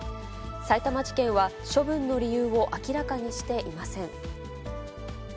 さいたま地検は処分の理由を明らかにしていません。